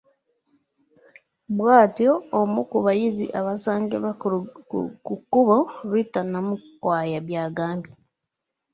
Bw’atyo omu ku bayizi abasangiddwa ku kkubo Ritah Namukwaya bw’agambye.